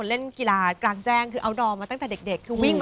หน้าเนื้อทำไมมันใสเงียด